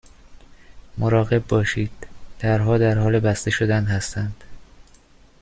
مراقب باشید، درها در حال بسته شدن هستند.